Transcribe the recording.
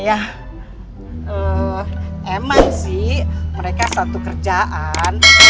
ya emang sih mereka satu kerjaan